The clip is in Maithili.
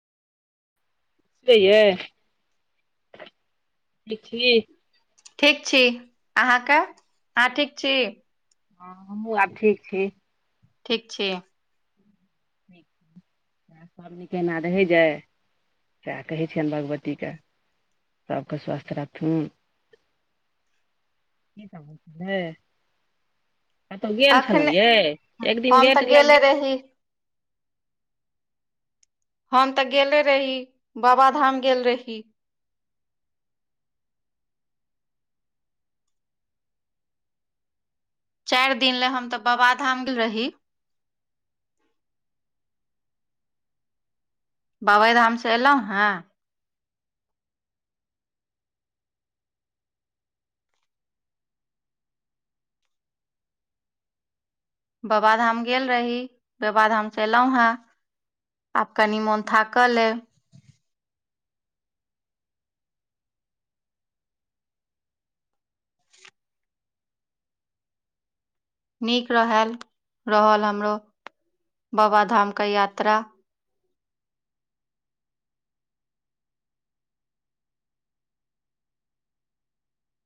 होएत, ठीक छै। ठीक छी आहाँके आँहा ठीक छी ह हमहुँ आब ठीक छी ठीक छी ठीक [unintelligible] सएह सब नीक एना रहै जाय सएह कहै छियनि भगवतीके सभके स्वस्थ रखथून की सब होय छ्लै कतहु गेल छलहुँ अखने ये एक दिन हम तऽ गेट गेले ल रही हम तऽ गेले रही बाबा धाम गेल रही चारि दिन लेए हम तऽ बाबा धाम गेल रही बाबा राम स एलहुँ हें बबा धाम गेल रही बबा धाम स एलहुं हें आब कनि मोन थाकल य नीक रहल रहल हमरो बबा धाम के यात्रा